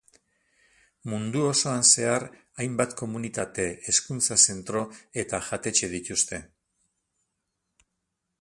Mundu osoan zehar hainbat komunitate, hezkuntza-zentro eta jatetxe dituzte.